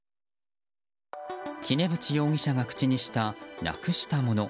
杵渕容疑者が口にしたなくしたもの。